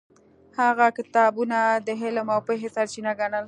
هغه کتابونه د علم او پوهې سرچینه ګڼل.